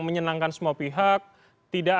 menyenangkan semua pihak tidak